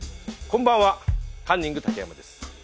こんばんはカンニング竹山です。